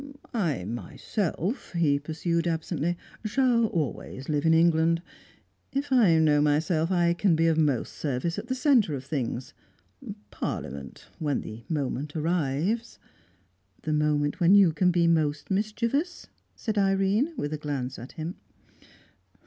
"I myself," he pursued absently, "shall always live in England. If I know myself, I can be of most service at the centre of things. Parliament, when the moment arrives " "The moment when you can be most mischievous?" said Irene, with a glance at him.